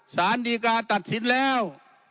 สารดีกาตัดสินแล้ว